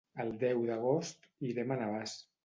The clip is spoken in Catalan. El deu d'agost irem a Navàs.